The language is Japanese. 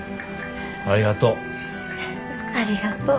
ありがとう。